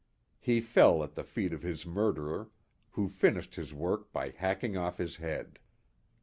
He fell at the feet of his murderer, who finished his work by hack ing off his head.